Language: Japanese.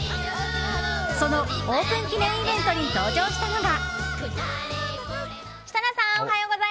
そのオープン記念イベントに登場したのが。